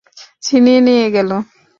ছিনিয়ে নিয়ে গেল?